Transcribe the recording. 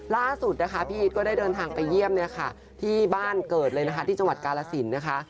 ล่าสุดนะคะพี่อีทก็ได้เดินทางไปเยี่ยมเนี่ยค่ะที่บ้านเกิดเลยนะคะที่จังหวัดกาลสินนะคะ